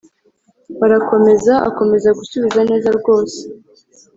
barakomeza, akomeza gusubiza neza rwose,